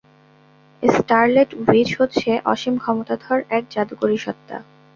Scarlet Witch হচ্ছে অসীম ক্ষমতাধর এক জাদুকরী সত্তা।